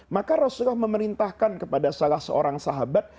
maka rasulullah memerintahkan kepada salah seorang sahabat